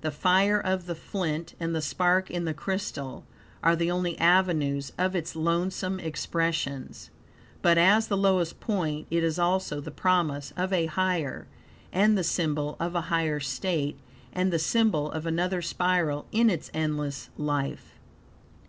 The fire of the flint, and the spark in the crystal, are the only avenues of its lonesome expressions. But, as the lowest point, it is also the promise of a higher, and the symbol of a higher state, and the symbol of another spiral in its endless life.